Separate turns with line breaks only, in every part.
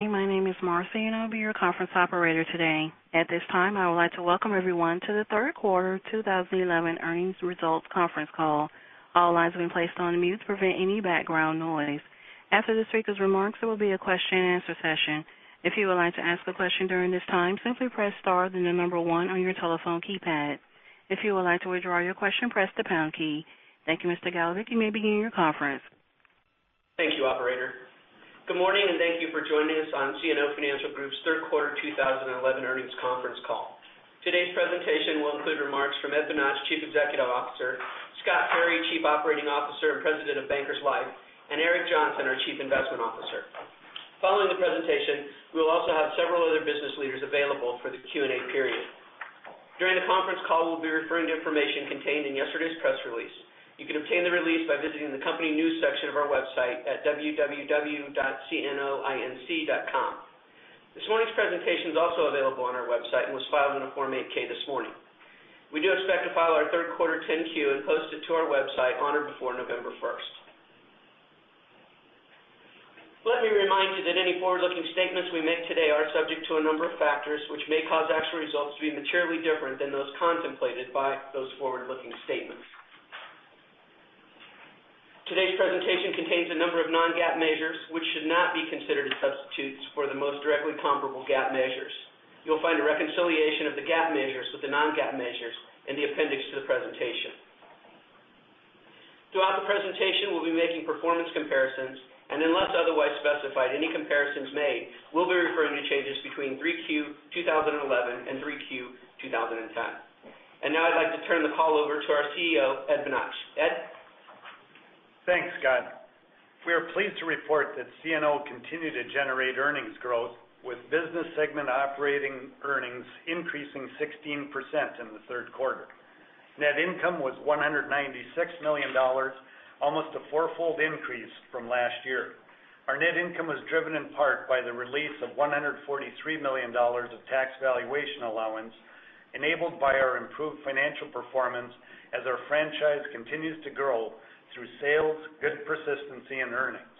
My name is Marcy, and I'll be your conference operator today. At this time, I would like to welcome everyone to the third quarter 2011 earnings results conference call. All lines have been placed on mute to prevent any background noise. After the speaker's remarks, there will be a question and answer session. If you would like to ask a question during this time, simply press star, then 1 on your telephone keypad. If you would like to withdraw your question, press the pound key. Thank you, Mr. Galovic. You may begin your conference.
Thank you, operator. Good morning, and thank you for joining us on CNO Financial Group's third quarter 2011 earnings conference call. Today's presentation will include remarks from Ed Bonach, Chief Executive Officer; Scott Perry, Chief Operating Officer and President of Bankers Life; and Eric Johnson, our Chief Investment Officer. Following the presentation, we will also have several other business leaders available for the Q&A period. During the conference call, we'll be referring to information contained in yesterday's press release. You can obtain the release by visiting the company news section of our website at www.cnoinc.com. This morning's presentation is also available on our website and was filed in a Form 8-K this morning. We do expect to file our third quarter 10-Q and post it to our website on or before November 1st. Let me remind you that any forward-looking statements we make today are subject to a number of factors which may cause actual results to be materially different than those contemplated by those forward-looking statements. Today's presentation contains a number of non-GAAP measures which should not be considered as substitutes for the most directly comparable GAAP measures. You'll find a reconciliation of the GAAP measures with the non-GAAP measures in the appendix to the presentation. Throughout the presentation, we'll be making performance comparisons, unless otherwise specified, any comparisons made will be referring to changes between Q3 2011 and Q3 2010. Now I'd like to turn the call over to our CEO, Ed Bonach. Ed?
Thanks, Scott. We are pleased to report that CNO continued to generate earnings growth, with business segment operating earnings increasing 16% in the third quarter. Net income was $196 million, almost a four-fold increase from last year. Our net income was driven in part by the release of $143 million of tax valuation allowance, enabled by our improved financial performance as our franchise continues to grow through sales, good persistency, and earnings.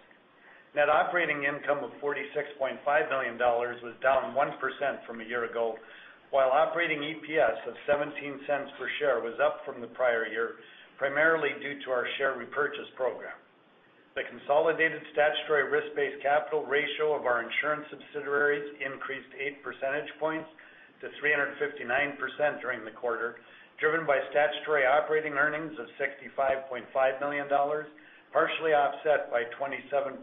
Net operating income of $46.5 million was down 1% from a year ago, while operating EPS of $0.17 per share was up from the prior year, primarily due to our share repurchase program. The consolidated statutory risk-based capital ratio of our insurance subsidiaries increased eight percentage points to 359% during the quarter, driven by statutory operating earnings of $65.5 million, partially offset by $27.4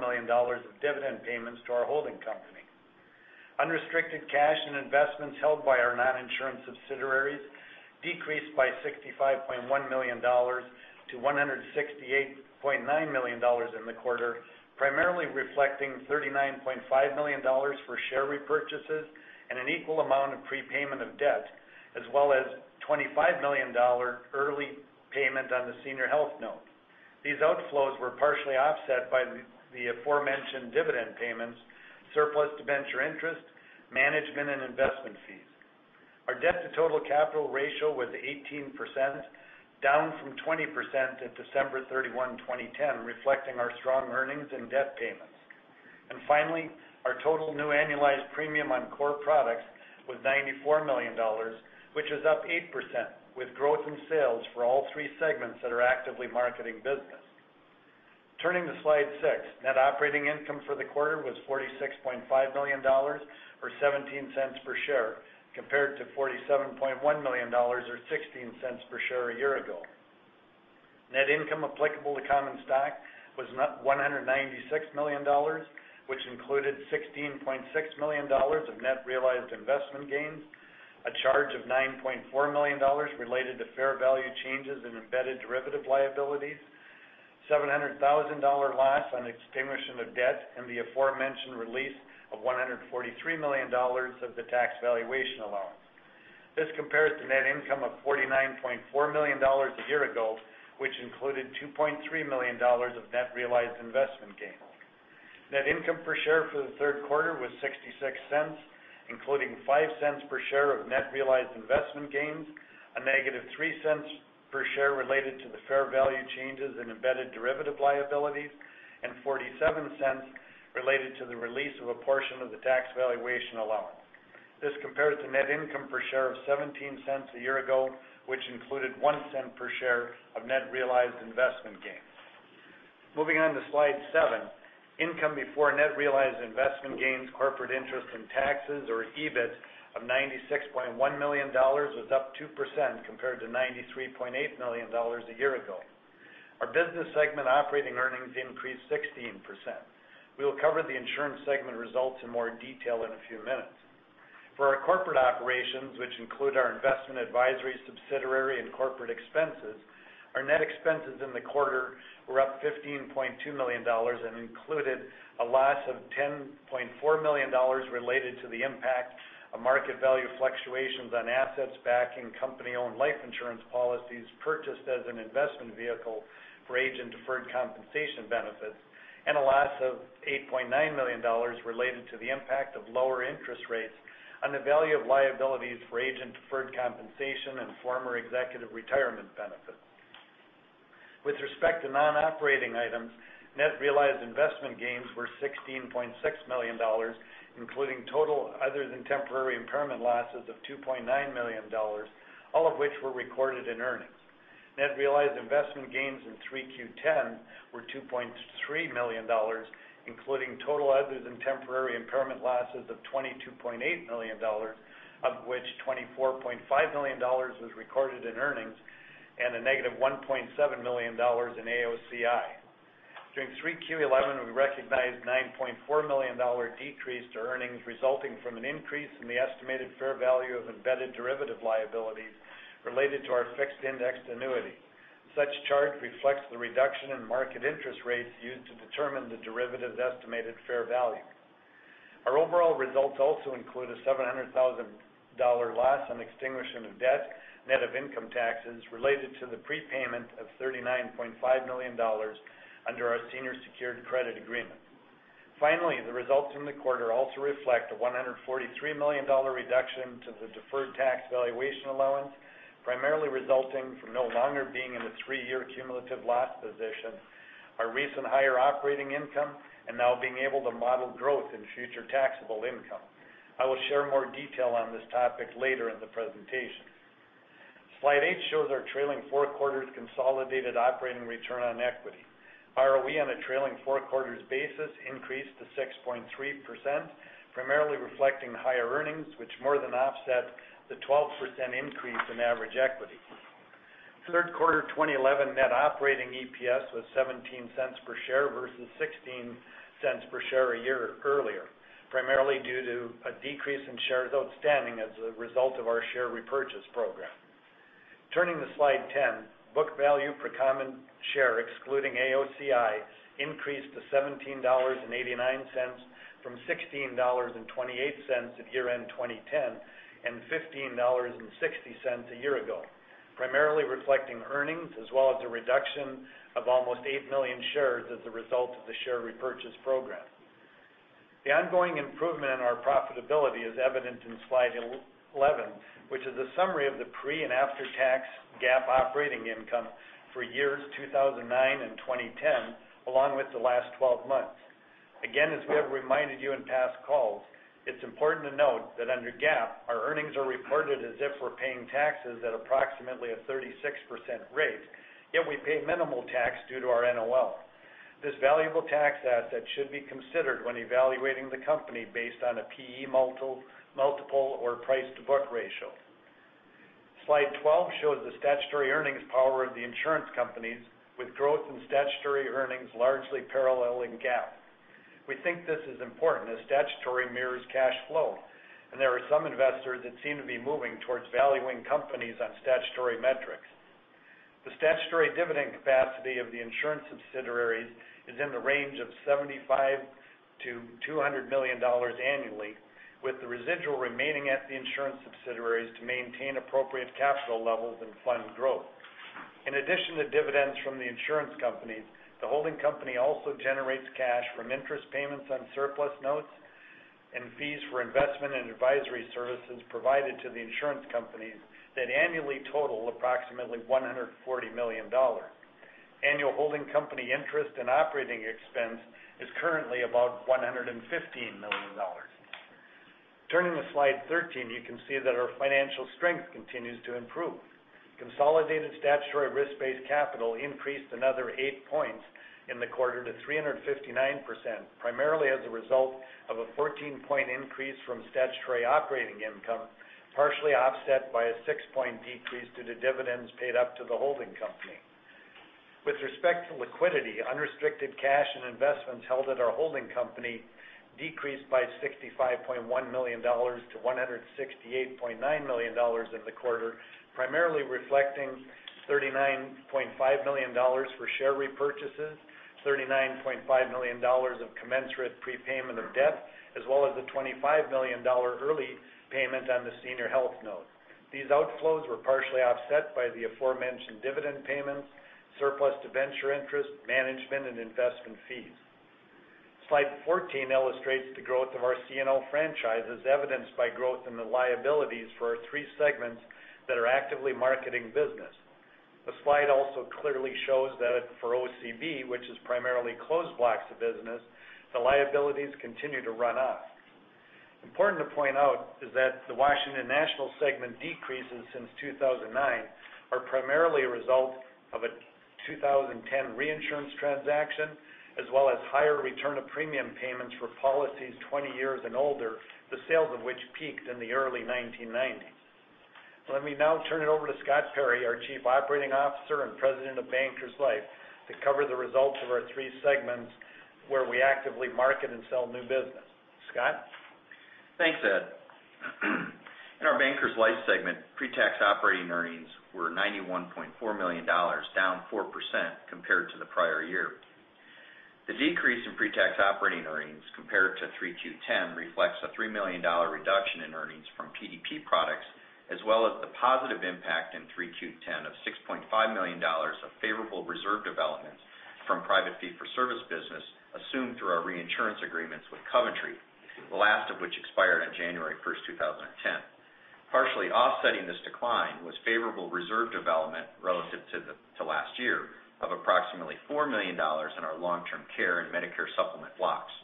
million of dividend payments to our holding company. Unrestricted cash and investments held by our non-insurance subsidiaries decreased by $65.1 million to $168.9 million in the quarter, primarily reflecting $39.5 million for share repurchases and an equal amount of prepayment of debt, as well as a $25 million early payment on the senior health note. These outflows were partially offset by the aforementioned dividend payments, surplus debenture interest, management, and investment fees. Our debt-to-total capital ratio was 18%, down from 20% at December 31, 2010, reflecting our strong earnings and debt payments. Finally, our total new annualized premium on core products was $94 million, which is up 8%, with growth in sales for all three segments that are actively marketing business. Turning to slide six, net operating income for the quarter was $46.5 million, or $0.17 per share, compared to $47.1 million or $0.16 per share a year ago. Net income applicable to common stock was $196 million, which included $16.6 million of net realized investment gains, a charge of $9.4 million related to fair value changes in embedded derivative liabilities, a $700,000 loss on extinguishment of debt, and the aforementioned release of $143 million of the tax valuation allowance. This compares to net income of $49.4 million a year ago, which included $2.3 million of net realized investment gains. Net income per share for the third quarter was $0.66, including $0.05 per share of net realized investment gains, a negative $0.03 per share related to the fair value changes in embedded derivative liabilities, and $0.47 related to the release of a portion of the tax valuation allowance. This compares to net income per share of $0.17 a year ago, which included $0.01 per share of net realized investment gains. Moving on to slide seven, income before net realized investment gains, corporate interest, and taxes, or EBIT, of $96.1 million was up 2% compared to $93.8 million a year ago. Our business segment operating earnings increased 16%. We will cover the insurance segment results in more detail in a few minutes. For our corporate operations, which include our investment advisory subsidiary and corporate expenses, our net expenses in the quarter were up $15.2 million and included a loss of $10.4 million related to the impact of market value fluctuations on assets backing company-owned life insurance policies purchased as an investment vehicle for agent deferred compensation benefits and a loss of $8.9 million related to the impact of lower interest rates on the value of liabilities for agent deferred compensation and former executive retirement benefits. With respect to non-operating items, net realized investment gains were $16.6 million, including total other than temporary impairment losses of $2.9 million, all of which were recorded in earnings. Net realized investment gains in Q3 2010 were $2.3 million, including total others in temporary impairment losses of $22.8 million, of which $24.5 million was recorded in earnings and a negative $1.7 million in AOCI. During Q3 2011, we recognized a $9.4 million decrease to earnings resulting from an increase in the estimated fair value of embedded derivative liabilities related to our fixed indexed annuity. Such charge reflects the reduction in market interest rates used to determine the derivative's estimated fair value. Our overall results also include a $700,000 loss on extinguishment of debt, net of income taxes related to the prepayment of $39.5 million under our senior secured credit agreement. Finally, the results from the quarter also reflect a $143 million reduction to the deferred tax valuation allowance, primarily resulting from no longer being in the three-year cumulative loss position, our recent higher operating income, and now being able to model growth in future taxable income. I will share more detail on this topic later in the presentation. Slide eight shows our trailing four quarters consolidated operating return on equity. ROE on a trailing four quarters basis increased to 6.3%, primarily reflecting higher earnings, which more than offset the 12% increase in average equity. Third quarter 2011 net operating EPS was $0.17 per share versus $0.16 per share a year earlier, primarily due to a decrease in shares outstanding as a result of our share repurchase program. Turning to slide 10, book value per common share, excluding AOCI, increased to $17.89 from $16.28 at year-end 2010 and $15.60 a year ago, primarily reflecting earnings as well as a reduction of almost eight million shares as a result of the share repurchase program. The ongoing improvement in our profitability is evident in slide 11, which is a summary of the pre- and after-tax GAAP operating income for years 2009 and 2010, along with the last 12 months. As we have reminded you in past calls, it's important to note that under GAAP, our earnings are reported as if we're paying taxes at approximately a 36% rate, yet we pay minimal tax due to our NOL. This valuable tax asset should be considered when evaluating the company based on a PE multiple or price-to-book ratio. Slide 12 shows the statutory earnings power of the insurance companies, with growth in statutory earnings largely paralleling GAAP. We think this is important as statutory mirrors cash flow, and there are some investors that seem to be moving towards valuing companies on statutory metrics. The statutory dividend capacity of the insurance subsidiaries is in the range of $75 million-$200 million annually, with the residual remaining at the insurance subsidiaries to maintain appropriate capital levels and fund growth. In addition to dividends from the insurance companies, the holding company also generates cash from interest payments on surplus notes and fees for investment and advisory services provided to the insurance companies that annually total approximately $140 million. Annual holding company interest and operating expense is currently about $115 million. Turning to slide 13, you can see that our financial strength continues to improve. Consolidated statutory risk-based capital increased another eight points in the quarter to 359%, primarily as a result of a 14-point increase from statutory operating income, partially offset by a six-point decrease due to dividends paid up to the holding company. With respect to liquidity, unrestricted cash and investments held at our holding company decreased by $65.1 million to $168.9 million in the quarter, primarily reflecting $39.5 million for share repurchases, $39.5 million of commensurate prepayment of debt, as well as the $25 million early payment on the senior health note. These outflows were partially offset by the aforementioned dividend payments, surplus to venture interest, management, and investment fees. Slide 14 illustrates the growth of our CNO franchises evidenced by growth in the liabilities for our three segments that are actively marketing business. The slide also clearly shows that for OCB, which is primarily closed blocks of business, the liabilities continue to run up. Important to point out is that the Washington National segment decreases since 2009 are primarily a result of a 2010 reinsurance transaction as well as higher return of premium payments for policies 20 years and older, the sales of which peaked in the early 1990s. Let me now turn it over to Scott Perry, our Chief Operating Officer and President of Bankers Life, to cover the results of our three segments where we actively market and sell new business. Scott?
Thanks, Ed. In our Bankers Life segment, pre-tax operating earnings were $91.4 million, down 4% compared to the prior year. The decrease in pre-tax operating earnings compared to Q3 2010 reflects a $3 million reduction in earnings from PDP products, as well as the positive impact in Q3 2010 of $6.5 million of favorable reserve development from private fee for service business assumed through our reinsurance agreements with Coventry, the last of which expired on January 1, 2010. Partially offsetting this decline was favorable reserve development relative to last year of approximately $4 million in our long-term care and Medicare supplement blocks.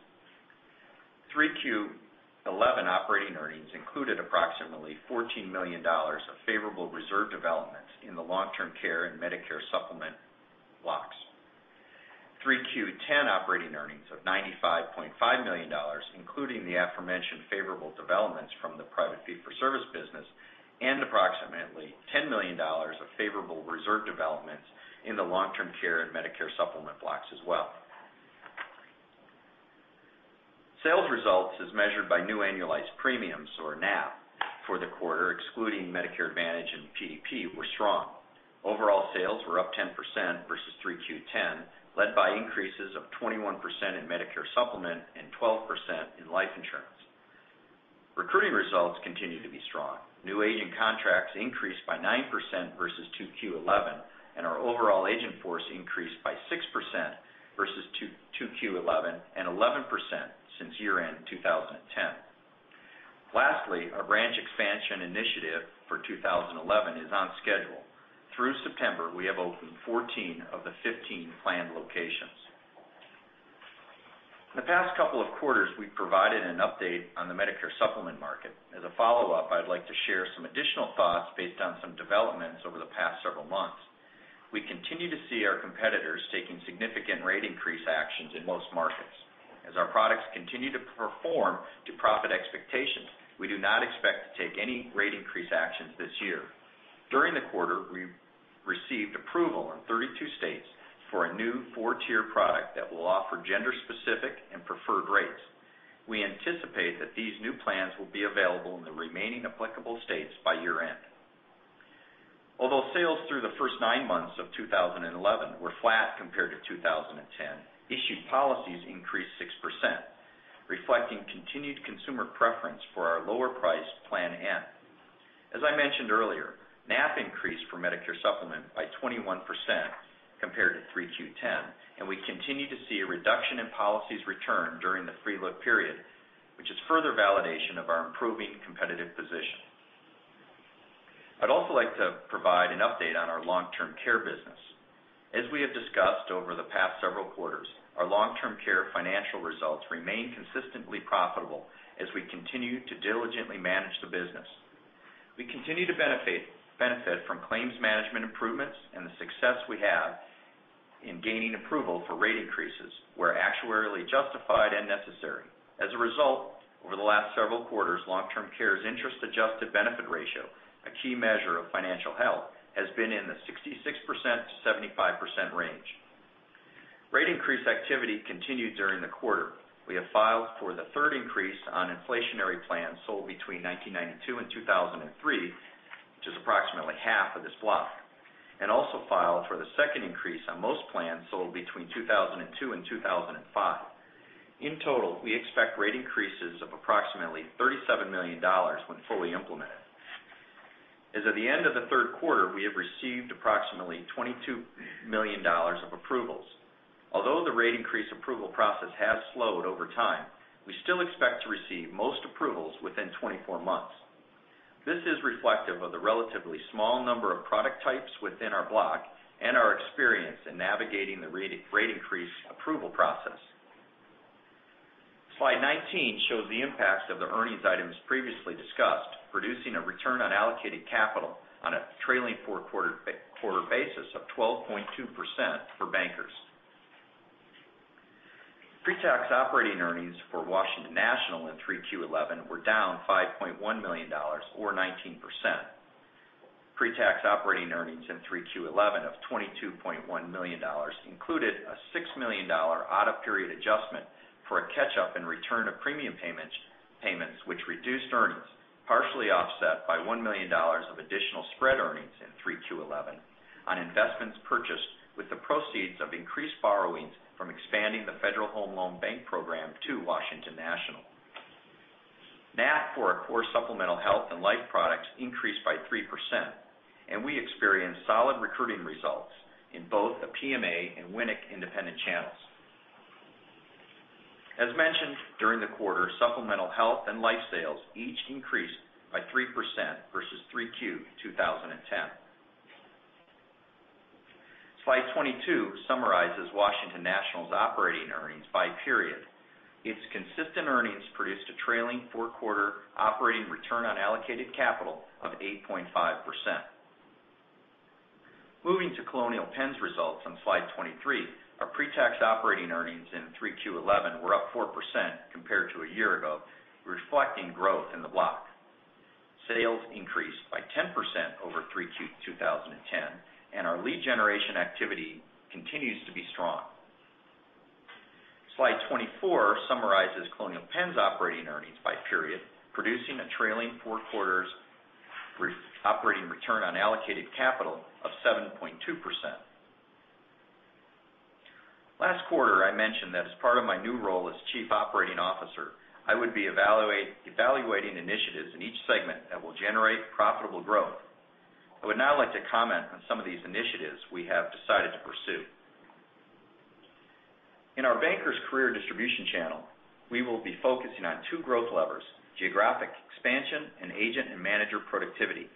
Q3 2011 operating earnings included approximately $14 million of favorable reserve developments in the long-term care and Medicare supplement blocks. Q3 2010 operating earnings of $95.5 million, including the aforementioned favorable developments from the private fee for service business and approximately $10 million of favorable reserve developments in the long-term care and Medicare supplement blocks as well. Sales results as measured by new annualized premiums or NAP for the quarter, excluding Medicare Advantage and PDP, were strong. Overall sales were up 10% versus Q3 2010, led by increases of 21% in Medicare supplement and 12% in life insurance. Recruiting results continue to be strong. New agent contracts increased by 9% versus Q2 2011, and our overall agent force increased by 6% versus Q2 2011 and 11% since year-end 2010. Lastly, our branch expansion initiative for 2011 is on schedule. Through September, we have opened 14 of the 15 planned locations. In the past couple of quarters, we've provided an update on the Medicare supplement market. As a follow-up, I'd like to share some additional thoughts based on some developments over the past several months. We continue to see our competitors taking significant rate increase actions in most markets. As our products continue to perform to profit expectations, we do not expect to take any rate increase actions this year. During the quarter, we received approval in 32 states for a new 4-tier product that will offer gender-specific and preferred rates. We anticipate that these new plans will be available in the remaining applicable states by year-end. Although sales through the first nine months of 2011 were flat compared to 2010, issued policies increased 6%, reflecting continued consumer preference for our lower priced Plan N. As I mentioned earlier, NAP increased for Medicare supplement by 21% compared to Q3 2010, and we continue to see a reduction in policies return during the free look period, which is further validation of our improving competitive position. I'd also like to provide an update on our long-term care business. As we have discussed over the past several quarters, our long-term care financial results remain consistently profitable as we continue to diligently manage the business. We continue to benefit from claims management improvements and the success we have in gaining approval for rate increases where actuarially justified and necessary. As a result, over the last several quarters, long-term care's interest-adjusted benefit ratio, a key measure of financial health, has been in the 66%-75% range. Rate increase activity continued during the quarter. We have filed for the third increase on inflationary plans sold between 1992 and 2003, which is approximately half of this block, and also filed for the second increase on most plans sold between 2002 and 2005. In total, we expect rate increases of approximately $37 million when fully implemented. As of the end of the third quarter, we have received approximately $22 million of approvals. Although the rate increase approval process has slowed over time, we still expect to receive most approvals within 24 months. This is reflective of the relatively small number of product types within our block and our experience in navigating the rate increase approval process. Slide 19 shows the impact of the earnings items previously discussed, producing a return on allocated capital on a trailing four quarter basis of 12.2% for Bankers. Pre-tax operating earnings for Washington National in Q3 2011 were down $5.1 million or 19%. Pre-tax operating earnings in Q3 2011 of $22.1 million included a $6 million audit period adjustment for a catch-up and return of premium payments, which reduced earnings, partially offset by $1 million of additional spread earnings in Q3 2011 on investments purchased with the proceeds of increased borrowings from expanding the Federal Home Loan Bank program to Washington National. NAP for our core supplemental health and life products increased by 3%, and we experienced solid recruiting results in both the PMA and Washington National Independent channels. As mentioned during the quarter, supplemental health and life sales each increased by 3% versus Q3 2010. Slide 22 summarizes Washington National's operating earnings by period. Its consistent earnings produced a trailing four-quarter operating return on allocated capital of 8.5%. Moving to Colonial Penn's results on slide 23, our pre-tax operating earnings in Q3 2011 were up 4% compared to a year ago, reflecting growth in the block. Sales increased by 10% over Q3 2010, and our lead generation activity continues to be strong. Slide 24 summarizes Colonial Penn's operating earnings by period, producing a trailing four quarters operating return on allocated capital of 7.2%. Last quarter, I mentioned that as part of my new role as Chief Operating Officer, I would be evaluating initiatives in each segment that will generate profitable growth. I would now like to comment on some of these initiatives we have decided to pursue. In our Bankers career distribution channel, we will be focusing on two growth levers, geographic expansion and agent and manager productivity.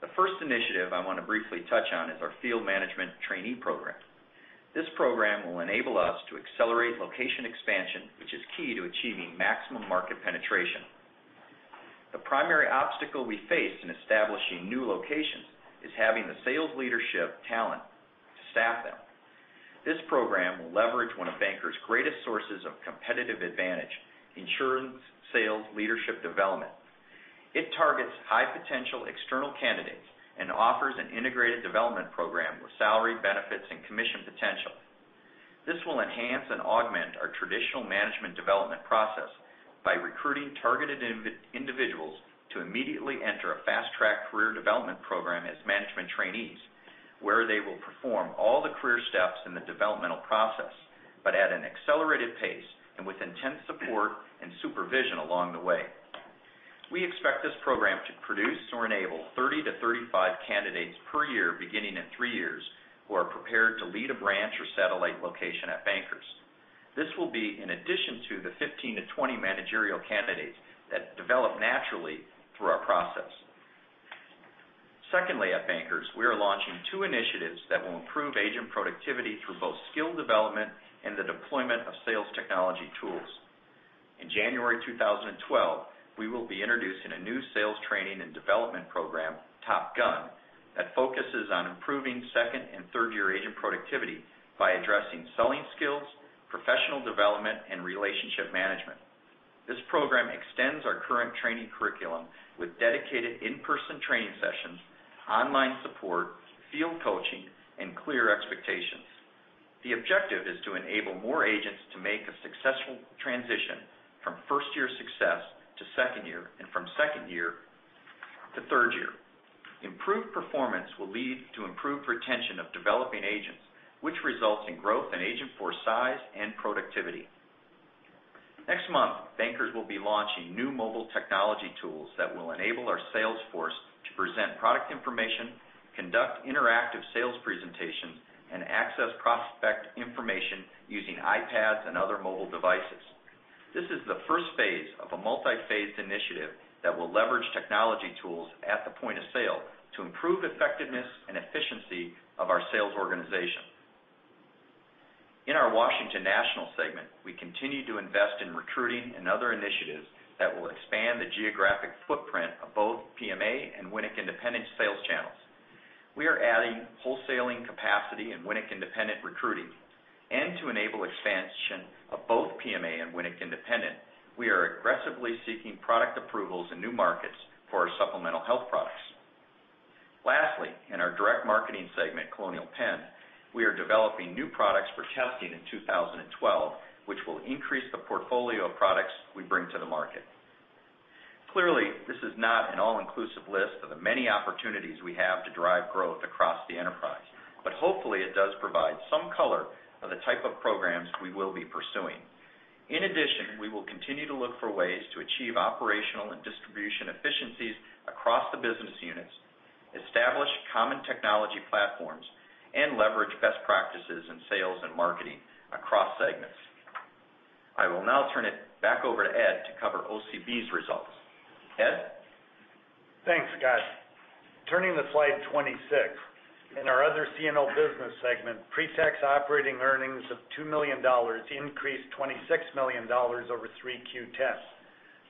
The first initiative I want to briefly touch on is our field management trainee program. This program will enable us to accelerate location expansion, which is key to achieving maximum market penetration. The primary obstacle we face in establishing new locations is having the sales leadership talent to staff them. This program will leverage one of Bankers' greatest sources of competitive advantage, insurance sales leadership development. It targets high-potential external candidates and offers an integrated development program with salary benefits and commission potential. This will enhance and augment our traditional management development process by recruiting targeted individuals to immediately enter a fast-track career development program as management trainees, where they will perform all the career steps in the developmental process, but at an accelerated pace and with intense support and supervision along the way. We expect this program to produce or enable 30 to 35 candidates per year, beginning in three years, who are prepared to lead a branch or satellite location at Bankers. This will be in addition to the 15 to 20 managerial candidates that develop naturally through our process. Secondly, at Bankers, we are launching two initiatives that will improve agent productivity through both skill development and the deployment of sales technology tools. In January 2012, we will be introducing a new sales training and development program, Top Gun, that focuses on improving second and third-year agent productivity by addressing selling skills, professional development, and relationship management. This program extends our current training curriculum with dedicated in-person training sessions, online support, field coaching, and clear expectations. The objective is to enable more agents to make a successful transition from first-year success to second year and from second year to third year. Improved performance will lead to improved retention of developing agents, which results in growth in agent force size and productivity. Next month, Bankers will be launching new mobile technology tools that will enable our sales force to present product information, conduct interactive sales presentations, and access prospect information using iPads and other mobile devices. This is the first phase of a multi-phased initiative that will leverage technology tools at the point of sale to improve effectiveness and efficiency of our sales organization. In our Washington National segment, we continue to invest in recruiting and other initiatives that will expand the geographic footprint of both PMA and Washington National Independent sales channels. We are adding wholesaling capacity in Washington National Independent recruiting. To enable expansion of both PMA and Washington National Independent, we are aggressively seeking product approvals in new markets for our supplemental health products. Lastly, in our direct marketing segment, Colonial Penn, we are developing new products for testing in 2012, which will increase the portfolio of products we bring to the market. Clearly, this is not an all-inclusive list of the many opportunities we have to drive growth across the enterprise. Hopefully, it does provide some color of the type of programs we will be pursuing. In addition, we will continue to look for ways to achieve operational and distribution efficiencies across the business units, establish common technology platforms, and leverage best practices in sales and marketing across segments. I will now turn it back over to Ed to cover OCB's results. Ed?
Thanks, Scott. Turning to slide 26, in our other CNO business segment, pre-tax operating earnings of $2 million increased $26 million over 3Q10.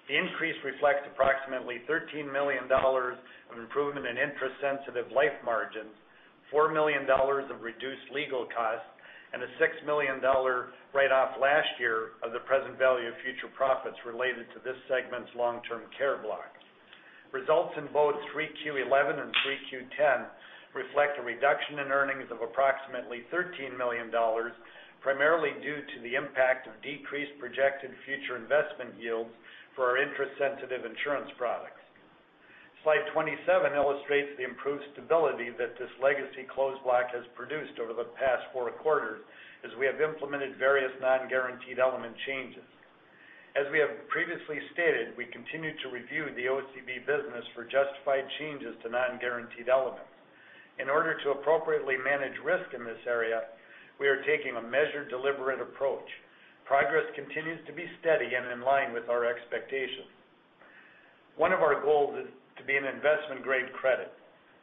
The increase reflects approximately $13 million of improvement in interest-sensitive life margins, $4 million of reduced legal costs, and a $6 million write-off last year of the present value of future profits related to this segment's long-term care block. Results in both 3Q11 and 3Q10 reflect a reduction in earnings of approximately $13 million, primarily due to the impact of decreased projected future investment yields for our interest-sensitive insurance products. Slide 27 illustrates the improved stability that this legacy closed block has produced over the past four quarters as we have implemented various non-guaranteed element changes. As we have previously stated, we continue to review the OCB business for justified changes to non-guaranteed elements. In order to appropriately manage risk in this area, we are taking a measured, deliberate approach. Progress continues to be steady and in line with our expectations. One of our goals is to be an investment-grade credit.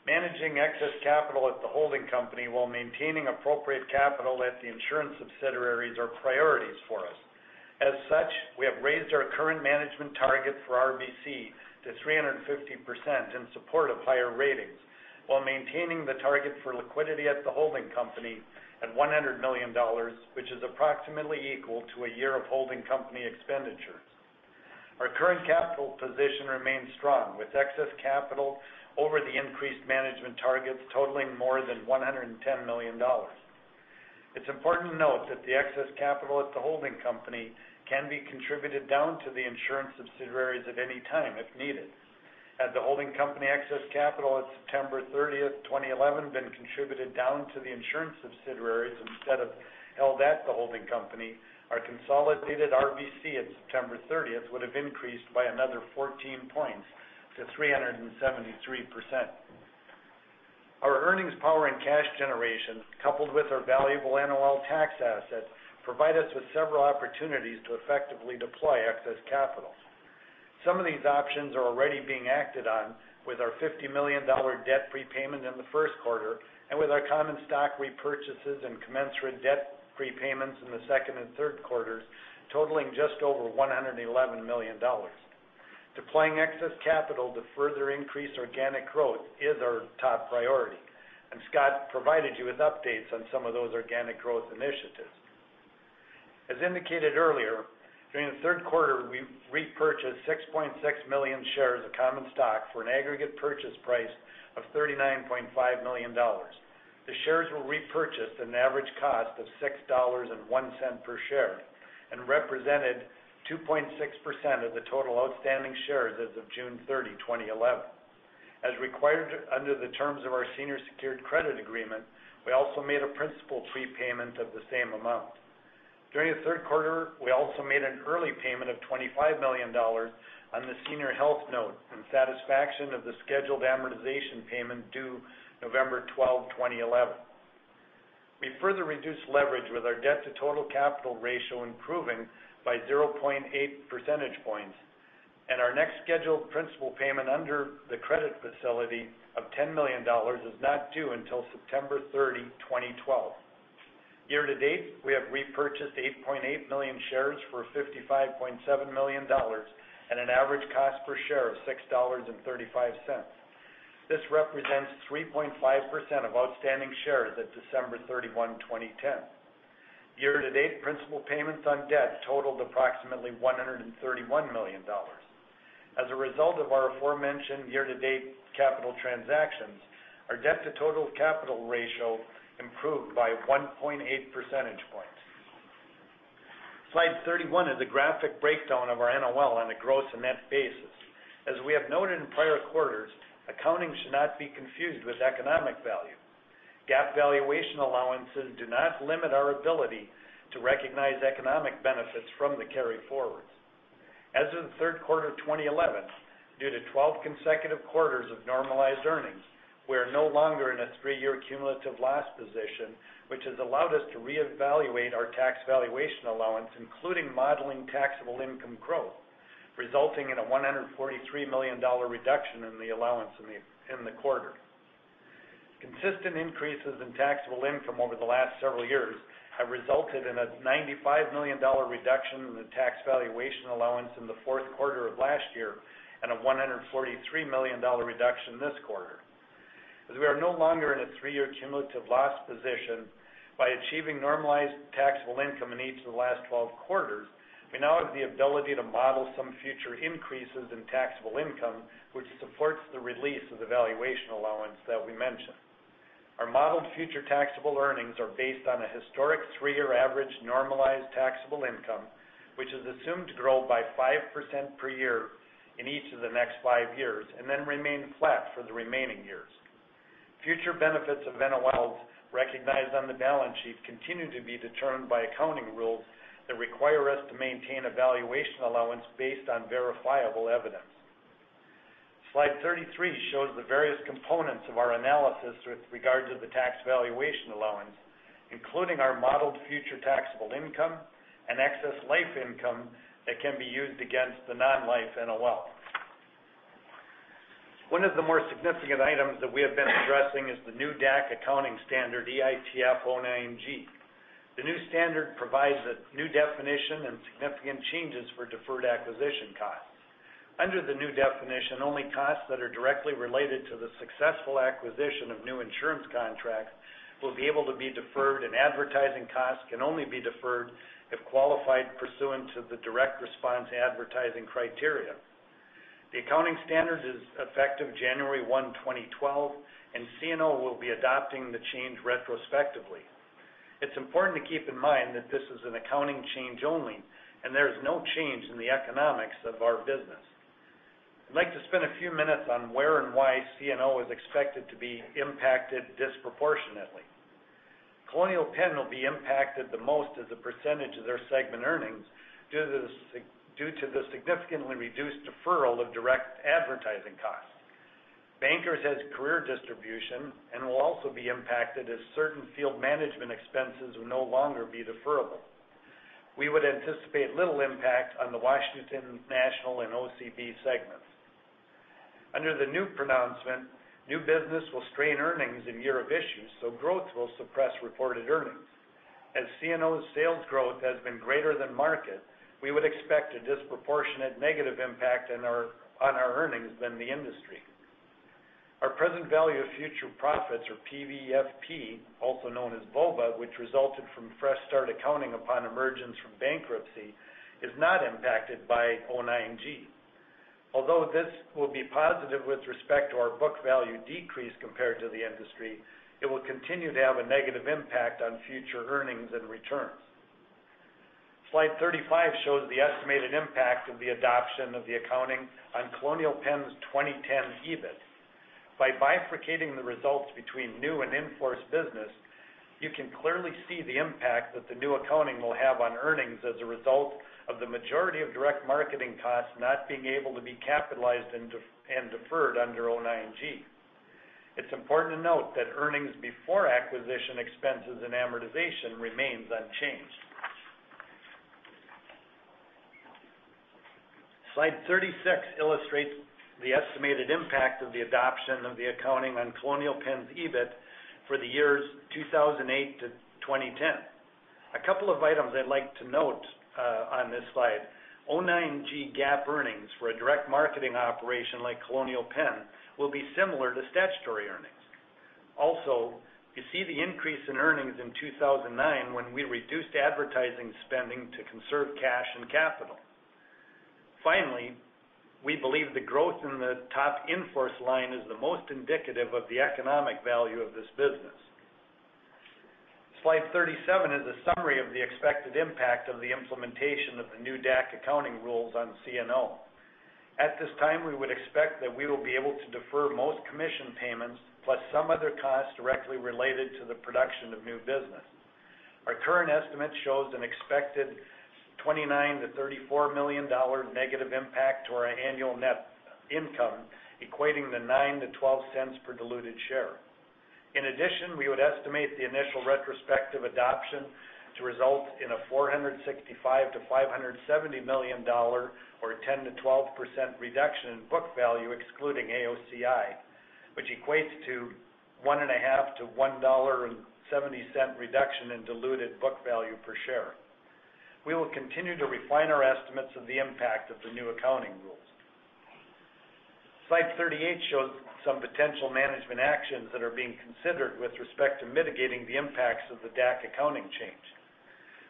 Managing excess capital at the holding company while maintaining appropriate capital at the insurance subsidiaries are priorities for us. As such, we have raised our current management target for RBC to 350% in support of higher ratings while maintaining the target for liquidity at the holding company at $100 million, which is approximately equal to a year of holding company expenditures. Our current capital position remains strong, with excess capital over the increased management targets totaling more than $110 million. It's important to note that the excess capital at the holding company can be contributed down to the insurance subsidiaries at any time if needed. Had the holding company excess capital at September 30th, 2011, been contributed down to the insurance subsidiaries instead of held at the holding company, our consolidated RBC at September 30th would have increased by another 14 points to 373%. Our earnings power and cash generation, coupled with our valuable NOL tax assets, provide us with several opportunities to effectively deploy excess capital. Some of these options are already being acted on with our $50 million debt prepayment in the first quarter and with our common stock repurchases and commensurate debt prepayments in the second and third quarters totaling just over $111 million. Deploying excess capital to further increase organic growth is our top priority, Scott provided you with updates on some of those organic growth initiatives. As indicated earlier, during the third quarter, we repurchased 6.6 million shares of common stock for an aggregate purchase price of $39.5 million. The shares were repurchased at an average cost of $6.01 per share and represented 2.6% of the total outstanding shares as of June 30, 2011. As required under the terms of our senior secured credit agreement, we also made a principal prepayment of the same amount. During the third quarter, we also made an early payment of $25 million on the senior health note in satisfaction of the scheduled amortization payment due November 12, 2011. We further reduced leverage with our debt-to-total capital ratio improving by 0.8 percentage points. Our next scheduled principal payment under the credit facility of $10 million is not due until September 30, 2012. Year-to-date, we have repurchased 8.8 million shares for $55.7 million at an average cost per share of $6.35. This represents 3.5% of outstanding shares at December 31, 2010. Year-to-date principal payments on debt totaled approximately $131 million. As a result of our aforementioned year-to-date capital transactions, our debt-to-total capital ratio improved by 1.8 percentage points. Slide 31 is a graphic breakdown of our NOL on a gross and net basis. As we have noted in prior quarters, accounting should not be confused with economic value. GAAP valuation allowances do not limit our ability to recognize economic benefits from the carryforwards. As of the third quarter of 2011, due to 12 consecutive quarters of normalized earnings, we are no longer in a three-year cumulative loss position, which has allowed us to reevaluate our tax valuation allowance, including modeling taxable income growth, resulting in a $143 million reduction in the allowance in the quarter. Consistent increases in taxable income over the last several years have resulted in a $95 million reduction in the tax valuation allowance in the fourth quarter of last year and a $143 million reduction this quarter. As we are no longer in a three-year cumulative loss position by achieving normalized taxable income in each of the last 12 quarters, we now have the ability to model some future increases in taxable income, which supports the release of the valuation allowance that we mentioned. Our modeled future taxable earnings are based on a historic three-year average normalized taxable income, which is assumed to grow by 5% per year in each of the next five years and then remain flat for the remaining years. Future benefits of NOLs recognized on the balance sheet continue to be determined by accounting rules that require us to maintain a valuation allowance based on verifiable evidence. Slide 33 shows the various components of our analysis with regard to the tax valuation allowance, including our modeled future taxable income and excess life income that can be used against the non-life NOL. One of the more significant items that we have been addressing is the new DAC accounting standard, EITF 09-G. The new standard provides a new definition and significant changes for deferred acquisition costs. Under the new definition, only costs that are directly related to the successful acquisition of new insurance contracts will be able to be deferred, and advertising costs can only be deferred if qualified pursuant to the direct response advertising criteria. The accounting standard is effective January 1, 2012, and CNO will be adopting the change retrospectively. It's important to keep in mind that this is an accounting change only, and there is no change in the economics of our business. I'd like to spend a few minutes on where and why CNO is expected to be impacted disproportionately. Colonial Penn will be impacted the most as a percentage of their segment earnings due to the significantly reduced deferral of direct advertising costs. Bankers has career distribution and will also be impacted as certain field management expenses will no longer be deferrable. We would anticipate little impact on the Washington National and OCB segments. Under the new pronouncement, new business will strain earnings in year of issue, so growth will suppress reported earnings. As CNO's sales growth has been greater than market, we would expect a disproportionate negative impact on our earnings than the industry. Our present value of future profits, or PVFP, also known as VOBA, which resulted from fresh start accounting upon emergence from bankruptcy, is not impacted by 09-G. Although this will be positive with respect to our book value decrease compared to the industry, it will continue to have a negative impact on future earnings and returns. Slide 35 shows the estimated impact of the adoption of the accounting on Colonial Penn's 2010 EBIT. By bifurcating the results between new and in-force business, you can clearly see the impact that the new accounting will have on earnings as a result of the majority of direct marketing costs not being able to be capitalized and deferred under O9G. It's important to note that earnings before acquisition expenses and amortization remains unchanged. Slide 36 illustrates the estimated impact of the adoption of the accounting on Colonial Penn's EBIT for the years 2008 to 2010. A couple of items I'd like to note on this slide. O9G GAAP earnings for a direct marketing operation like Colonial Penn will be similar to statutory earnings. Also, you see the increase in earnings in 2009, when we reduced advertising spending to conserve cash and capital. Finally, we believe the growth in the top in-force line is the most indicative of the economic value of this business. Slide 37 is a summary of the expected impact of the implementation of the new DAC accounting rules on CNO. At this time, we would expect that we will be able to defer most commission payments, plus some other costs directly related to the production of new business. Our current estimate shows an expected $29 million-$34 million negative impact to our annual net income, equating to $0.09-$0.12 per diluted share. In addition, we would estimate the initial retrospective adoption to result in a $465 million-$570 million, or a 10%-12% reduction in book value, excluding AOCI, which equates to $1.50-$1.70 reduction in diluted book value per share. We will continue to refine our estimates of the impact of the new accounting rules. Slide 38 shows some potential management actions that are being considered with respect to mitigating the impacts of the DAC accounting change.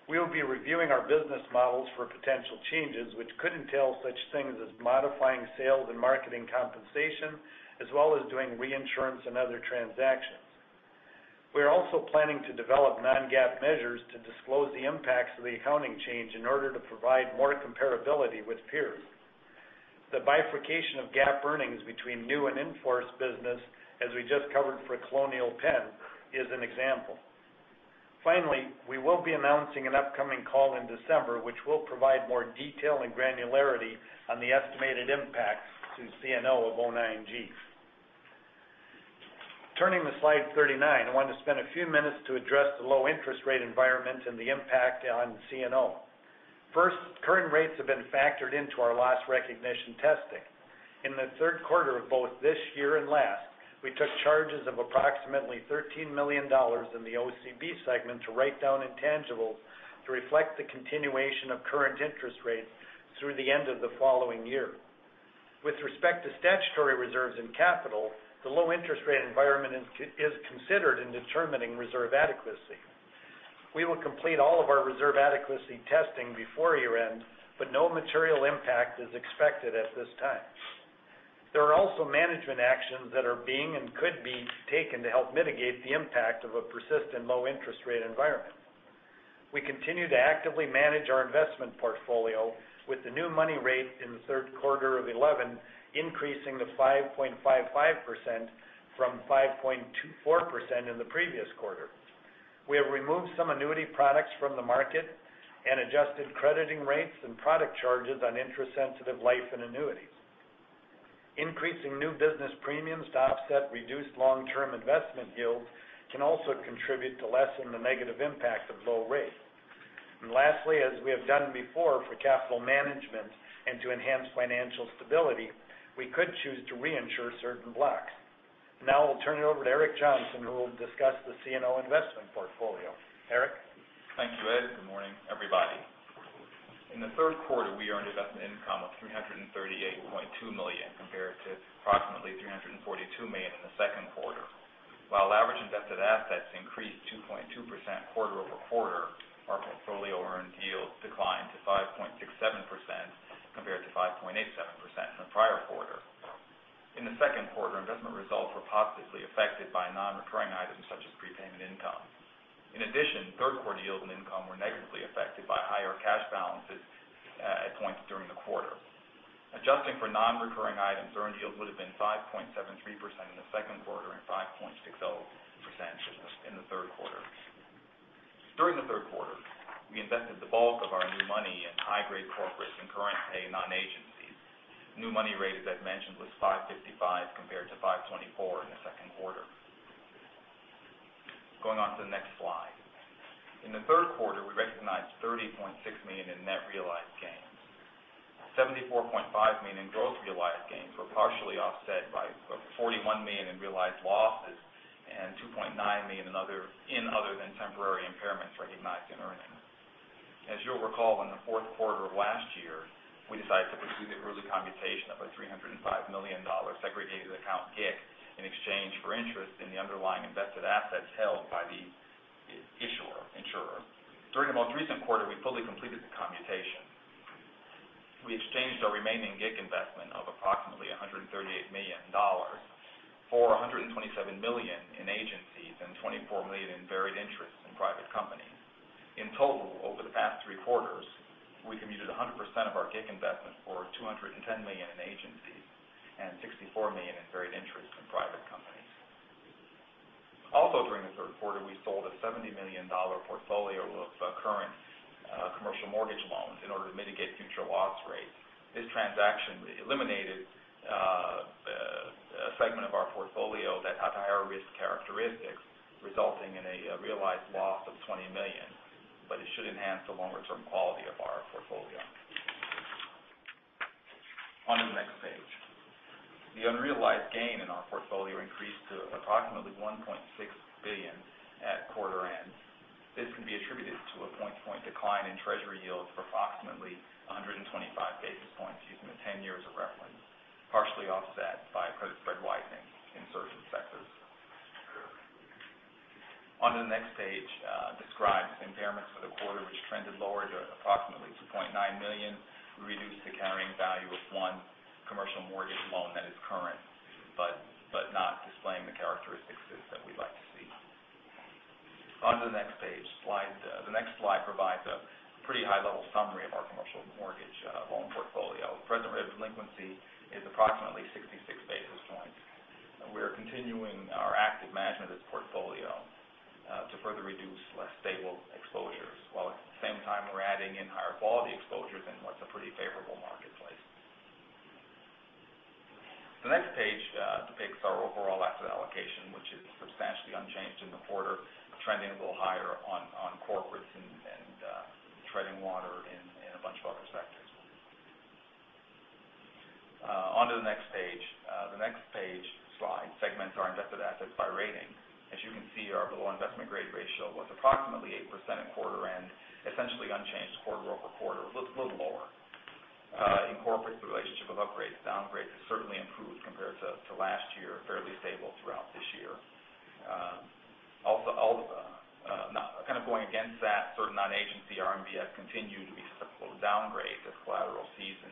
We will be reviewing our business models for potential changes, which could entail such things as modifying sales and marketing compensation, as well as doing reinsurance and other transactions. We are also planning to develop non-GAAP measures to disclose the impacts of the accounting change in order to provide more comparability with peers. The bifurcation of GAAP earnings between new and in-force business, as we just covered for Colonial Penn, is an example. Finally, we will be announcing an upcoming call in December, which will provide more detail and granularity on the estimated impacts to CNO of O9G. Turning to slide 39, I want to spend a few minutes to address the low interest rate environment and the impact on CNO. First, current rates have been factored into our loss recognition testing. In the third quarter of both this year and last, we took charges of approximately $13 million in the OCB segment to write down intangibles to reflect the continuation of current interest rates through the end of the following year. With respect to statutory reserves and capital, the low interest rate environment is considered in determining reserve adequacy. We will complete all of our reserve adequacy testing before year-end, but no material impact is expected at this time. There are also management actions that are being, and could be taken to help mitigate the impact of a persistent low interest rate environment. We continue to actively manage our investment portfolio with the new money rate in the third quarter of 2011, increasing to 5.55% from 5.24% in the previous quarter. We have removed some annuity products from the market and adjusted crediting rates and product charges on interest-sensitive life and annuities. Increasing new business premiums to offset reduced long-term investment yields can also contribute to lessen the negative impact of low rates. Lastly, as we have done before for capital management and to enhance financial stability, we could choose to reinsure certain blocks. Now I will turn it over to Eric Johnson, who will discuss the CNO investment portfolio. Eric?
Thank you, Ed. Good morning, everybody. In the third quarter, we earned investment income of $338.2 million compared to approximately $342 million in the second quarter. While average invested assets increased 2.2% quarter-over-quarter, our portfolio earned yields declined to 5.67% compared to 5.87% in the prior quarter. In the second quarter, investment results were positively affected by non-recurring items such as prepayment income. In addition, third quarter yield and income were negatively affected by higher cash balances at points during the quarter. Adjusting for non-recurring items, earned yields would have been 5.73% in the second quarter and 5.60% in the third quarter. During the third quarter, we invested the bulk of our new money in high-grade corporates and current pay non-agencies. New money rate, as Ed mentioned, was 5.55% compared to 5.24% in the second quarter. Going on to the next slide. In the third quarter, we recognized $30.6 million in net realized gains. $74.5 million in gross realized gains were partially offset by $41 million in realized losses and $2.9 million in other than temporary impairments recognized in earned income. As you will recall, in the fourth quarter of last year, we decided to pursue the early commutation of a $305 million segregated account, GIC, in exchange for interest in the underlying invested assets held by the insurer. During the most recent quarter, we fully completed the commutation. We exchanged our remaining GIC investment of approximately $138 million for $127 million in agencies and $24 million in varied interests in private companies. In total, over the past three quarters, we committed 100% of our GIC investment for $210 million in agencies and $64 million in varied interests in private companies. Also during the third quarter, we sold a $70 million portfolio of current commercial mortgage loans in order to mitigate future loss rates. This transaction eliminated a segment of our portfolio that had higher risk characteristics, resulting in a realized loss of $20 million. It should enhance the longer-term quality of our portfolio. On to the next page. The unrealized gain in our portfolio increased to approximately $1.6 billion at quarter end. This can be attributed to a point-to-point decline in Treasury yields of approximately 125 basis points using the 10-year as a reference, partially offset by credit spread widening in certain sectors. The next page describes impairments for the quarter, which trended lower to approximately $2.9 million. We reduced the carrying value of one commercial mortgage loan that is current but not displaying the characteristics that we'd like to see. On to the next page. The next slide provides a pretty high-level summary of our commercial mortgage loan portfolio. Present rate of delinquency is approximately 66 basis points. We are continuing our active management of this portfolio to further reduce less stable exposures, while at the same time, we're adding in higher quality exposures in what's a pretty favorable marketplace. The next page depicts our overall asset allocation, which is substantially unchanged in the quarter, trending a little higher on corporates and treading water in a bunch of other sectors. On to the next page. The next page slide segments our invested assets by rating. As you can see, our below investment grade ratio was approximately 8% at quarter end, essentially unchanged quarter-over-quarter. A little lower. In corporate, the relationship of upgrades to downgrades has certainly improved compared to last year, fairly stable throughout this year. Kind of going against that, certain non-agency RMBS continue to be susceptible to downgrades as collateral seasons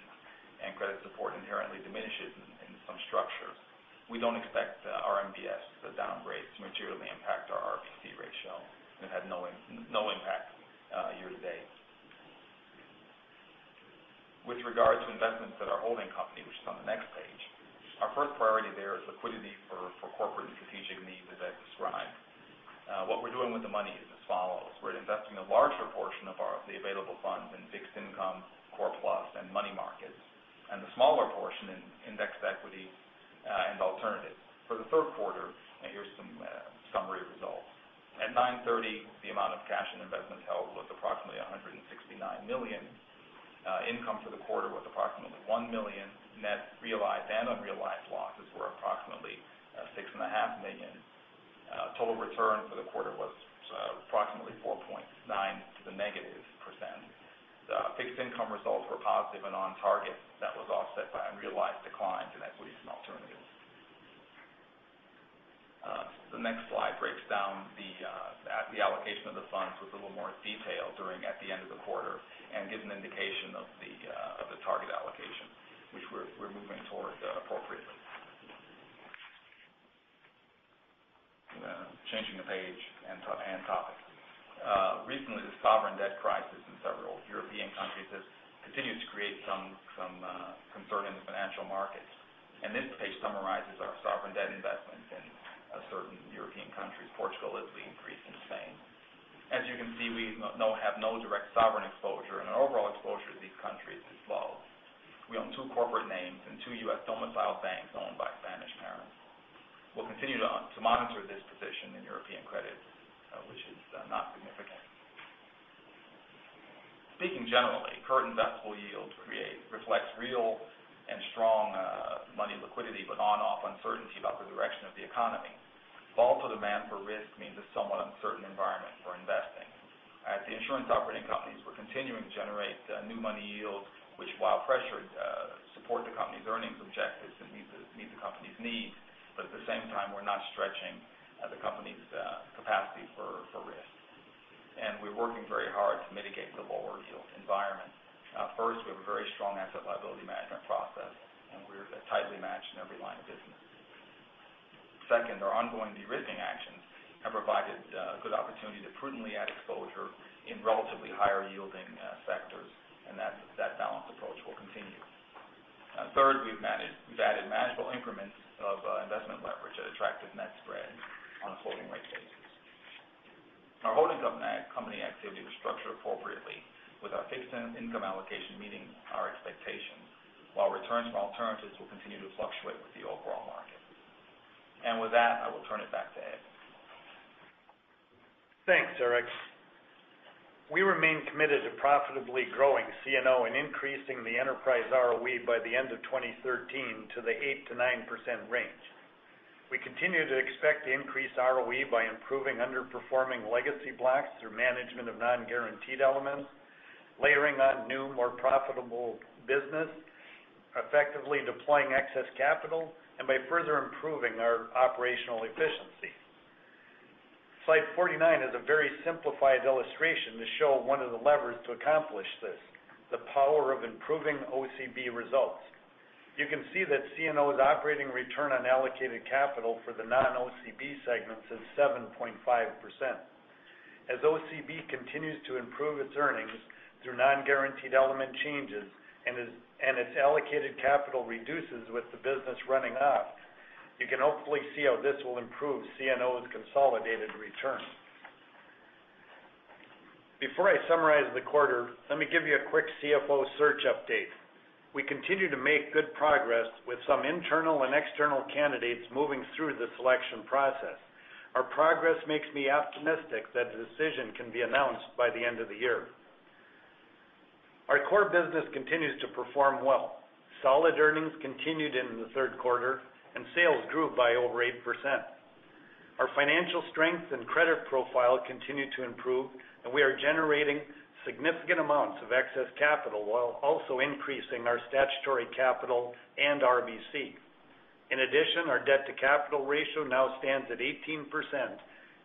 and credit support inherently diminishes in some structures. We don't expect RMBS, the downgrades, to materially impact our RBC ratio. It had no impact year-to-date. With regard to investments at our holding company, which is on the next page, our first priority there is liquidity for corporate and strategic needs as I described. What we're doing with the money is as follows. We're investing a larger portion of the available funds in fixed income, core plus, and money markets, and the smaller portion in indexed equity and alternatives. For the third quarter, here's some summary results. At 9/30, the amount of cash and investments held was approximately $169 million. Income for the quarter was approximately $1 million. Net realized and unrealized losses were approximately $6.5 million. Total return for the quarter was approximately -4.9%. The fixed income results were positive and on target. That was offset by unrealized declines in equities and alternatives. The next slide breaks down the allocation of the funds with a little more detail at the end of the quarter and gives an indication of the target allocation, which we're moving towards appropriately. Changing the page and topic. Recently, the sovereign debt crisis in several European countries has continued to create some concern in the financial markets. This page summarizes our sovereign debt investments in certain European countries. Portugal is the increase in Spain. As you can see, we have no direct sovereign exposure, and our overall exposure to these countries is low. We own two corporate names and two U.S. domicile banks owned by Spanish parents. We'll continue to monitor this position in European credit, which is not significant. Speaking generally, current investment yield reflects real and strong money liquidity, but on-off uncertainty about the direction of the economy. Fall in demand for risk means a somewhat uncertain environment for investing. At the insurance operating companies, we're continuing to generate new money yields, which while pressured, support the company's earnings objectives and meet the company's needs. At the same time, we're not stretching the company's capacity for risk, and we're working very hard to mitigate the lower yield environment. First, we have a very strong asset liability management process, and we're tightly matched in every line of business. Second, our ongoing de-risking actions have provided a good opportunity to prudently add exposure in relatively higher yielding sectors, and that balanced approach will continue. Third, we've added manageable increments of investment leverage at attractive net spreads on a floating rate basis. Our holding company activity was structured appropriately with our fixed income allocation meeting our expectations, while returns from alternatives will continue to fluctuate with the overall market. With that, I will turn it back to Ed.
Thanks, Eric. We remain committed to profitably growing CNO and increasing the enterprise ROE by the end of 2013 to the 8%-9% range. We continue to expect to increase ROE by improving underperforming legacy blocks through management of non-guaranteed elements, layering on new, more profitable business, effectively deploying excess capital, and by further improving our operational efficiency. Slide 49 is a very simplified illustration to show one of the levers to accomplish this. The power of improving OCB results. You can see that CNO's operating return on allocated capital for the non-OCB segments is 7.5%. As OCB continues to improve its earnings through non-guaranteed element changes, and its allocated capital reduces with the business running up, you can hopefully see how this will improve CNO's consolidated return. Before I summarize the quarter, let me give you a quick CFO search update. We continue to make good progress with some internal and external candidates moving through the selection process. Our progress makes me optimistic that the decision can be announced by the end of the year. Our core business continues to perform well. Solid earnings continued in the third quarter, and sales grew by over 8%. Our financial strength and credit profile continue to improve, and we are generating significant amounts of excess capital while also increasing our statutory capital and RBC. In addition, our debt to capital ratio now stands at 18%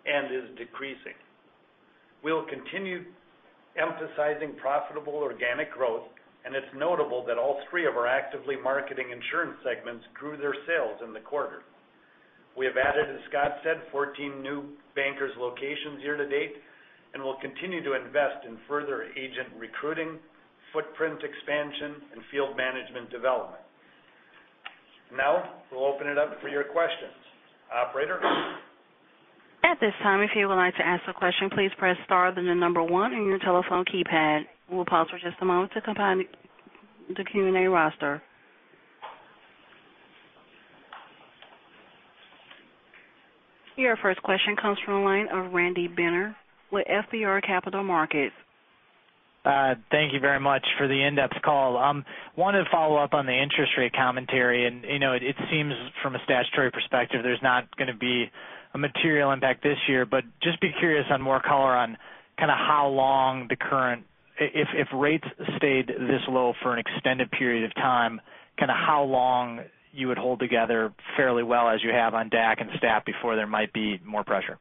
and is decreasing. We'll continue emphasizing profitable organic growth, and it's notable that all three of our actively marketing insurance segments grew their sales in the quarter. We have added, as Scott said, 14 new Bankers locations year to date and will continue to invest in further agent recruiting, footprint expansion, and field management development. We'll open it up for your questions. Operator?
At this time, if you would like to ask a question, please press star, then one on your telephone keypad. We'll pause for just a moment to compile the Q&A roster. Your first question comes from the line of Randy Binner with FBR Capital Markets.
Thank you very much for the in-depth call. I wanted to follow up on the interest rate commentary. It seems from a statutory perspective, there's not going to be a material impact this year, but just be curious on more color on if rates stayed this low for an extended period of time, how long you would hold together fairly well as you have on DAC and stat before there might be more pressure.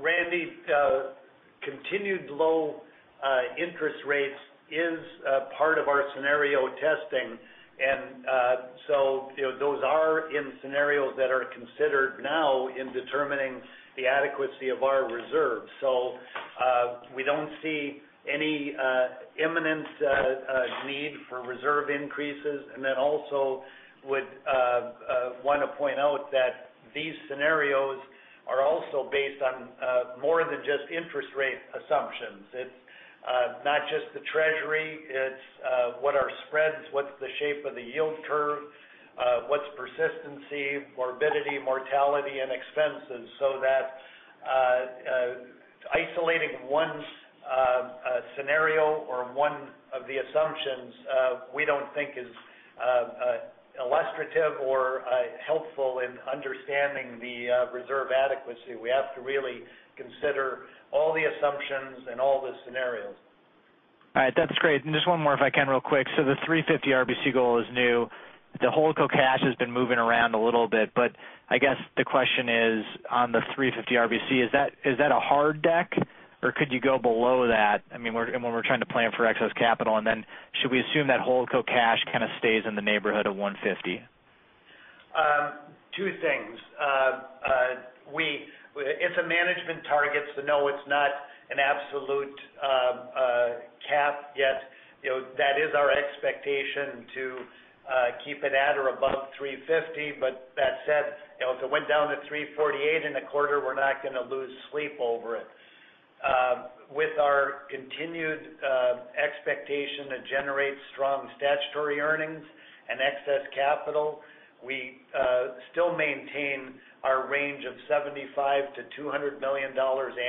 Randy, continued low interest rates is a part of our scenario testing. Those are in scenarios that are considered now in determining the adequacy of our reserves. We don't see any imminent need for reserve increases, also would want to point out that these scenarios are also based on more than just interest rate assumptions. It's not just the treasury, it's what are spreads, what's the shape of the yield curve, what's persistency, morbidity, mortality, and expenses. That isolating one scenario or one of the assumptions we don't think is illustrative or helpful in understanding the reserve adequacy. We have to really consider all the assumptions and all the scenarios.
All right. That's great. Just one more if I can real quick. The 350 RBC goal is new. The holdco cash has been moving around a little bit, but I guess the question is on the 350 RBC, is that a hard deck or could you go below that when we're trying to plan for excess capital? Should we assume that holdco cash stays in the neighborhood of $150 million?
Two things. It's a management target, so no, it's not an absolute cap yet. That is our expectation to keep it at or above 350, but that said, if it went down to 348 in a quarter, we're not going to lose sleep over it. With our continued expectation to generate strong statutory earnings and excess capital, we still maintain our range of $75 million-$200 million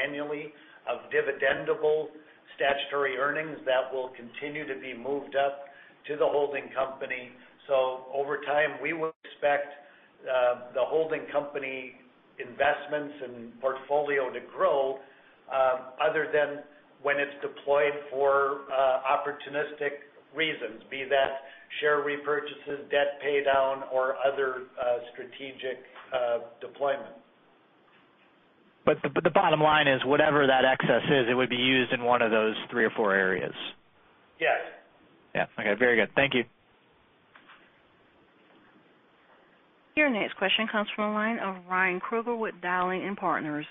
annually of dividendable statutory earnings that will continue to be moved up to the holding company. Over time, we will expect the holding company investments and portfolio to grow other than when it's deployed for opportunistic reasons, be that share repurchases, debt pay down, or other strategic deployment.
The bottom line is whatever that excess is, it would be used in one of those three or four areas.
Yes.
Yeah. Okay. Very good. Thank you.
Your next question comes from the line of Ryan Krueger with Dowling & Partners.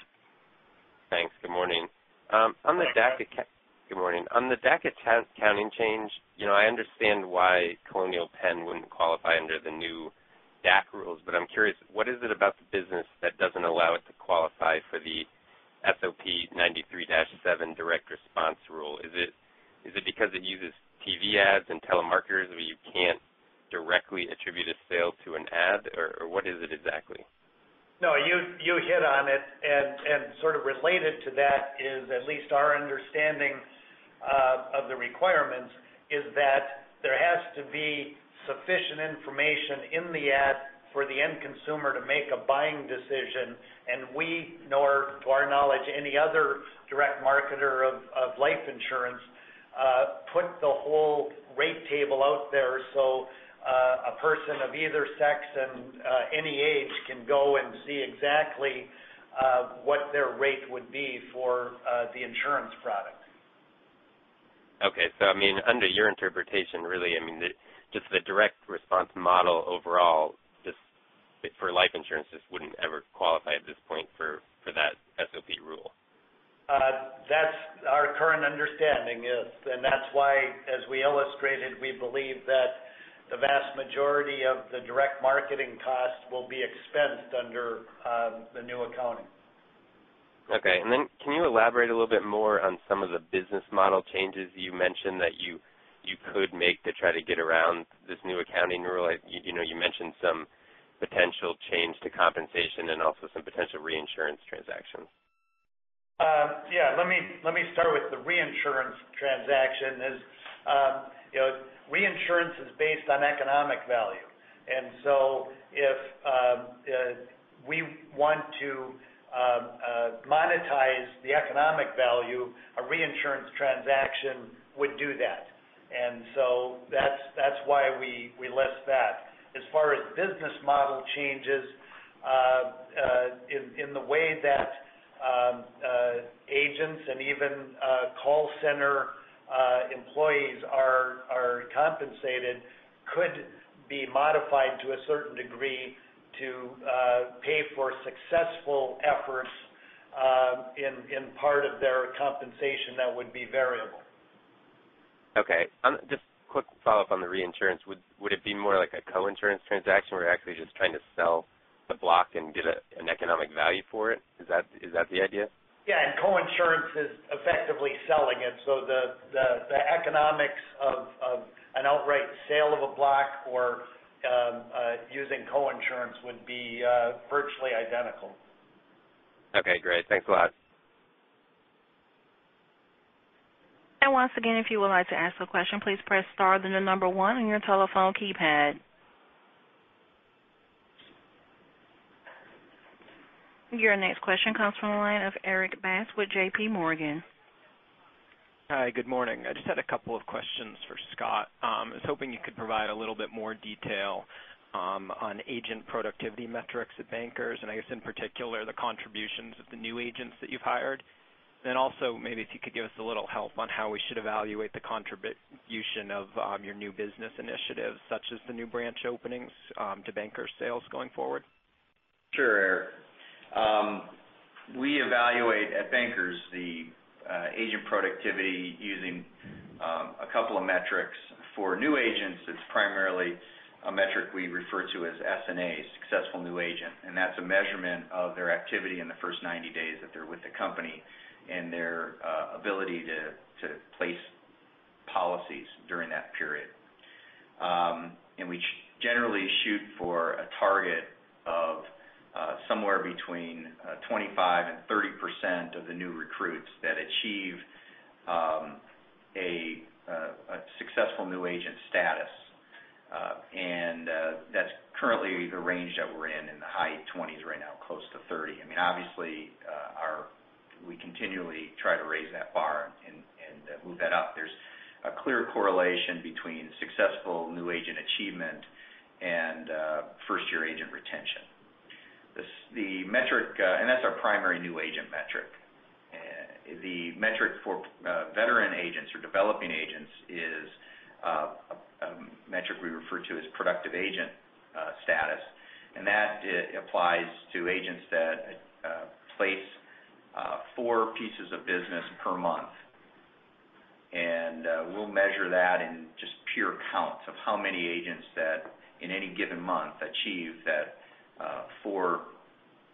Thanks. Good morning.
Good morning.
On the DAC accounting change, I understand why Colonial Penn wouldn't qualify under the new DAC rules, but I'm curious, what is it about the business that doesn't allow it to qualify for the SOP 93-7 direct response rule? Is it because it uses TV ads and telemarketers where you can't directly attribute a sale to an ad, or what is it exactly?
No, you hit on it, and sort of related to that is at least our understanding of the requirements is that there has to be sufficient information in the ad for the end consumer to make a buying decision. We, nor to our knowledge, any other direct marketer of life insurance put the whole rate table out there. A person of either sex and any age can go and see exactly what their rate would be for the insurance product.
Okay. Under your interpretation, really, just the direct response model overall, just for life insurance, just wouldn't ever qualify at this point for that SOP rule.
That's our current understanding, yes. That's why, as we illustrated, we believe that the vast majority of the direct marketing costs will be expensed under the new accounting.
Okay. Can you elaborate a little bit more on some of the business model changes you mentioned that you could make to try to get around this new accounting rule? You mentioned some potential change to compensation and also some potential reinsurance transactions.
Let me start with the reinsurance transaction. Reinsurance is based on economic value. If we want to monetize the economic value, a reinsurance transaction would do that. That's why we list that. As far as business model changes, in the way that agents and even call center employees are compensated could be modified to a certain degree to pay for successful efforts in part of their compensation that would be variable.
Okay. Just a quick follow-up on the reinsurance. Would it be more like a co-insurance transaction where you're actually just trying to sell the block and get an economic value for it? Is that the idea?
Co-insurance is effectively selling it. The economics of an outright sale of a block or using co-insurance would be virtually identical.
Okay, great. Thanks a lot.
Once again, if you would like to ask a question, please press star, then the number one on your telephone keypad. Your next question comes from the line of Erik Bass with J.P. Morgan.
Hi, good morning. I just had a couple of questions for Scott. I was hoping you could provide a little bit more detail on agent productivity metrics at Bankers, and I guess in particular, the contributions of the new agents that you've hired. Also, maybe if you could give us a little help on how we should evaluate the contribution of your new business initiatives, such as the new branch openings to Bankers sales going forward.
Sure, Erik. We evaluate at Bankers the agent productivity using a couple of metrics. For new agents, it's primarily a metric we refer to as SNA, Successful New Agent, and that's a measurement of their activity in the first 90 days that they're with the company and their ability to place policies during that period. We generally shoot for a target of somewhere between 25%-30% of the new recruits that achieve a Successful New Agent status. That's currently the range that we're in the high 20s right now, close to 30. Obviously, we continually try to raise that bar and move that up. There's a clear correlation between successful new agent achievement and first-year agent retention. That's our primary new agent metric. The metric for veteran agents or developing agents is a metric we refer to as Productive Agent Status, and that applies to agents that place four pieces of business per month. We'll measure that in just pure counts of how many agents that in any given month achieve that four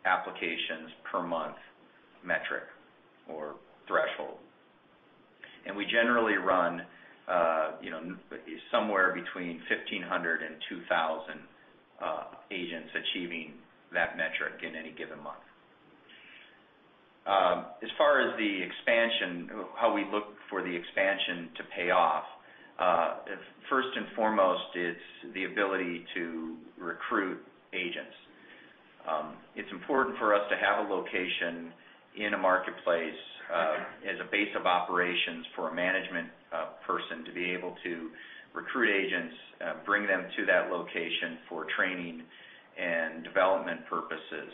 applications per month metric or threshold. We generally run somewhere between 1,500-2,000 agents achieving that metric in any given month. As far as the expansion, how we look for the expansion to pay off, first and foremost, it's the ability to recruit agents. It's important for us to have a location in a marketplace as a base of operations for a management person to be able to recruit agents, bring them to that location for training and development purposes.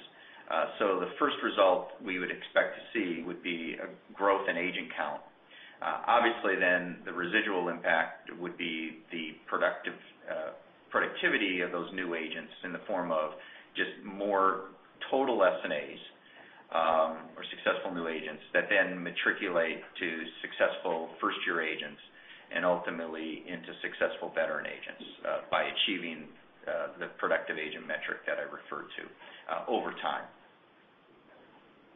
The first result we would expect to see would be a growth in agent count. Obviously, the residual impact would be the productivity of those new agents in the form of just more total SNAs or Successful New Agents that matriculate to successful first-year agents and ultimately into successful veteran agents by achieving the productive agent metric that I referred to over time.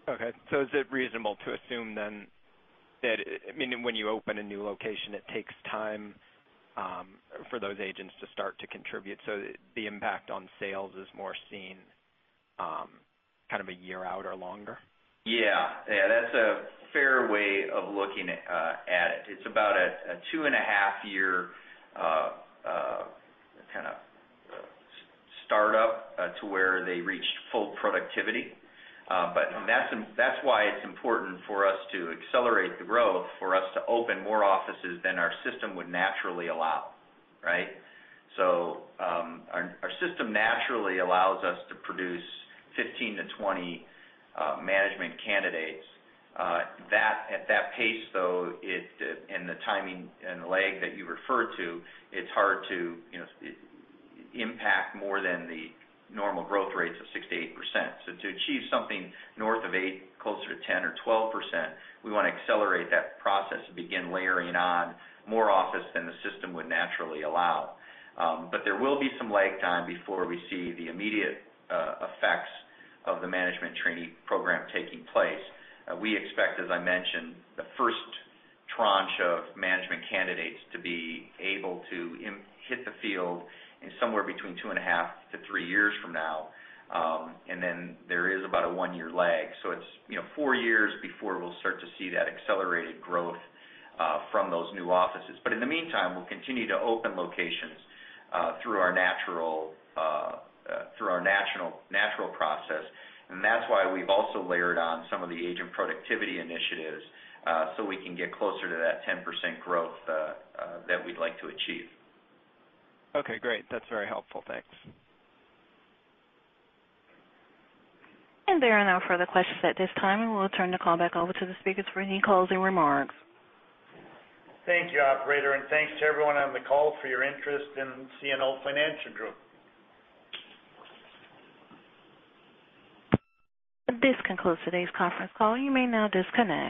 Okay. Is it reasonable to assume then that when you open a new location, it takes time for those agents to start to contribute so the impact on sales is more seen a year out or longer?
Yeah. That's a fair way of looking at it. It's about a two-and-a-half-year kind of startup to where they reach full productivity. That's why it's important for us to accelerate the growth for us to open more offices than our system would naturally allow. Right? Our system naturally allows us to produce 15-20 management candidates. At that pace, though, and the timing and the lag that you referred to, it's hard to impact more than the normal growth rates of 6%-8%. To achieve something north of 8%, closer to 10% or 12%, we want to accelerate that process and begin layering on more office than the system would naturally allow. There will be some lag time before we see the immediate effects of the management trainee program taking place. We expect, as I mentioned, the first tranche of management candidates to be able to hit the field in somewhere between two and a half to three years from now, and then there is about a one-year lag. It's four years before we'll start to see that accelerated growth from those new offices. In the meantime, we'll continue to open locations through our natural process, and that's why we've also layered on some of the agent productivity initiatives, so we can get closer to that 10% growth that we'd like to achieve.
Okay, great. That's very helpful. Thanks.
There are no further questions at this time, and we'll turn the call back over to the speakers for any closing remarks.
Thank you, operator, and thanks to everyone on the call for your interest in CNO Financial Group.
This concludes today's conference call. You may now disconnect.